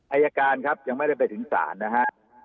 อายการครับยังไม่ได้ไปถึงศาลนะฮะ